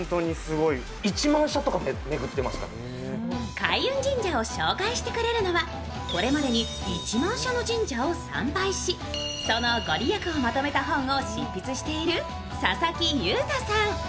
開運神社を紹介してくれるのはこれまでに１万社の神社を参拝しその御利益をまとめた本を執筆している佐々木優太さん。